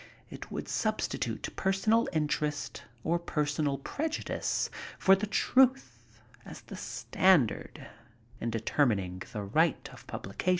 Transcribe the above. It would substitute personal interest or personal prejudice for the truth as the standard in determining the right of publication."